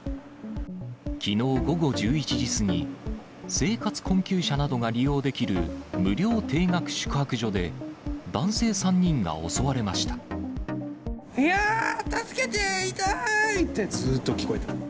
きのう午後１１時過ぎ、生活困窮者などが利用できる無料低額宿泊所で、男性３人が襲われいやー、助けて、痛いって、ずっと聞こえてた。